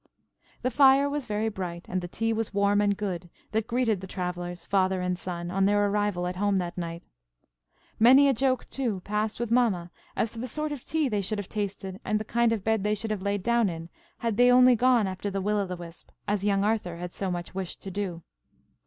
The fire was very bright, and the tea was warm and good, that greeted the travellers, Father and Son, on their arrival at home that night. Many a joke, too, passed with Mamma as to the sort of tea they should have tasted, and the kind of bed they should have laid down in, had they only gone after the Will o' the Wisp, as young Arthur had so much wished to do.